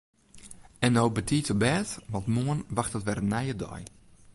En no betiid op bêd want moarn wachtet wer in nije dei.